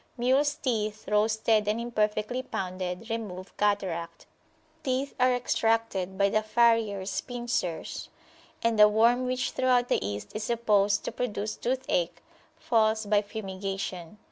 Mules teeth, roasted and imperfectly pounded, remove cataract. Teeth are extracted by the farriers pincers, and the worm which throughout the East is supposed to produce toothache, falls by fumigation.